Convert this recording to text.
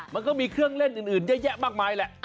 มันก็มีเครื่องเล่นอื่นเยอะแยะมากมายแหละ